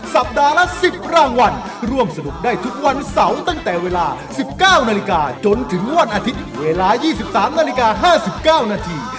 สัปดาห์ละ๑๐รางวัลร่วมสนุกได้ทุกวันเสาร์ตั้งแต่เวลา๑๙นาฬิกาจนถึงวันอาทิตย์เวลา๒๓นาฬิกา๕๙นาที